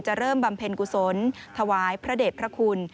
เริ่มบำเพ็ญกุศลถวายพระเด็จพระคุณ